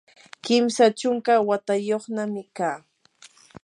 kimsa chunka watayuqnami kaa.